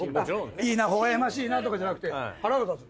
いいな微笑ましいなとかじゃなくて腹が立つ？